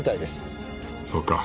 そうか。